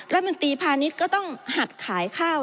รัฐมนตรีพาณิชย์ก็ต้องหัดขายข้าว